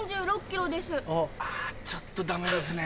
あちょっとダメですね。